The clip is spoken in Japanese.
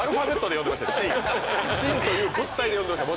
「心」という物体で呼んでました。